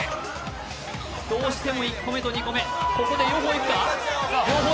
どうしても１個目と２個目、ここで両方いくか？